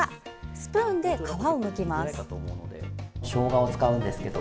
スプーンで皮をむきます。